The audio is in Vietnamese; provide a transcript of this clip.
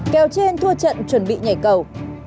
kéo trên thua trận chuẩn bị nhảy cầu